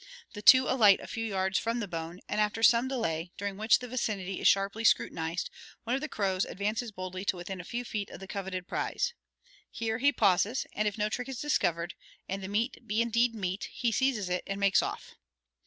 The two alight a few yards from the bone, and after some delay, during which the vicinity is sharply scrutinized, one of the crows advances boldly to within a few feet of the coveted prize. Here he pauses, and if no trick is discovered, and the meat be indeed meat, he seizes it and makes off.